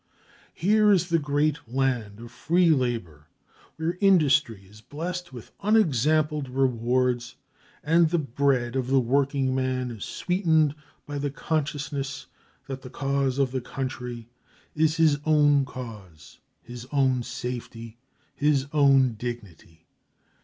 Here is the great land of free labor, where industry is blessed with unexampled rewards and the bread of the workingman is sweetened by the consciousness that the cause of the country "is his own cause, his own safety, his own dignity."